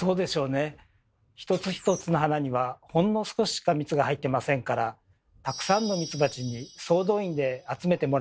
一つ一つの花にはほんの少ししか蜜が入ってませんからたくさんのミツバチに総動員で集めてもらうしかないんです。